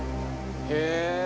へえ。